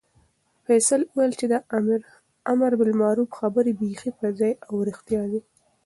فیصل وویل چې د امربالمعروف خبرې بیخي په ځای او رښتیا دي.